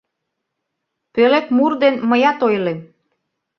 Пӧлек мур ден мыят ойлем.